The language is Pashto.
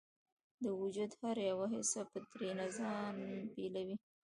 د وجود هره یوه حصه به ترېنه ځان بیلوي